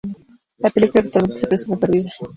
La película actualmente se presume perdida.